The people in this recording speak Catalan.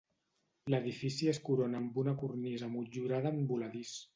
L'edifici es corona amb una cornisa motllurada en voladís.